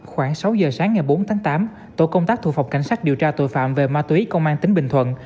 khoảng sáu giờ sáng ngày bốn tháng tám tổ công tác thuộc phòng cảnh sát điều tra tội phạm về ma túy công an tỉnh bình thuận